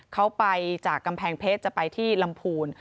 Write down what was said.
เขาไปจากกำแพงเพชรจะไปที่ลำพูน